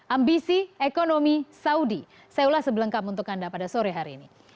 ambisi ekonomi saudi saya ulas sebelengkap untuk anda pada sore hari ini